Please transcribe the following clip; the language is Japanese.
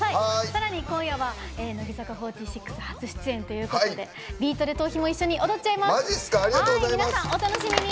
さらに今夜は乃木坂４６初出演ということで「ビートＤＥトーヒ」も一緒に踊っちゃいます。